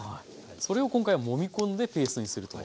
それを今回はもみ込んでペーストにすると。